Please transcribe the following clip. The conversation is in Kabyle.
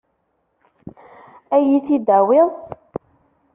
Ad iyi-t-id-tawiḍ?